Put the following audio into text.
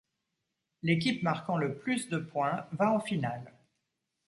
L'équipe marquant le plus de points va en finale.